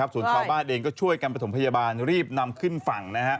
ส่วนชาวบ้านเองก็ช่วยกันประถมพยาบาลรีบนำขึ้นฝั่ง